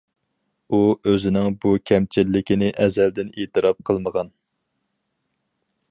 ئۇ ئۆزىنىڭ بۇ كەمچىلىكىنى ئەزەلدىن ئېتىراپ قىلمىغان.